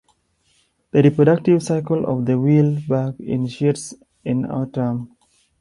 The reproductive cycle of the wheel bug initiates in autumn.